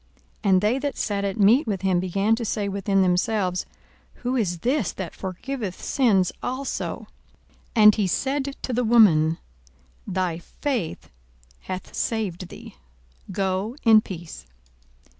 42:007:049 And they that sat at meat with him began to say within themselves, Who is this that forgiveth sins also? 42:007:050 And he said to the woman, Thy faith hath saved thee; go in peace.